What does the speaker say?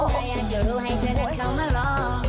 แต่อยากจะรู้ให้เธอนักเข้ามาลอง